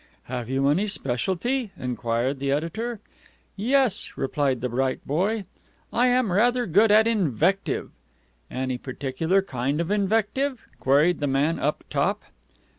'Have you any specialty?' enquired the editor. 'Yes,' replied the bright boy, 'I am rather good at invective.' 'Any particular kind of invective?' queried the man up top.